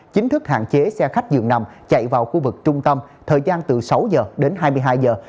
chính thức hạn chế xe khách dường nằm chạy vào khu vực trung tâm thời gian từ sáu giờ đến hai mươi hai giờ